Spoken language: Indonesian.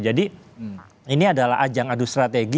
jadi ini adalah ajang adu strategi adu narasi